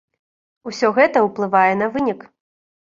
Усё гэта ўплывае на вынік.